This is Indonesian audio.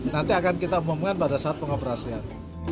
nanti akan kita umumkan pada saat pengoperasian